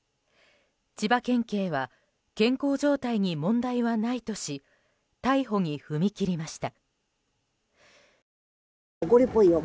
千葉県警は健康状態に問題はないとし逮捕に踏み切りました。